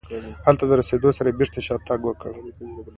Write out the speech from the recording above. هلته له رسېدو سره یې بېرته شاتګ وکړ.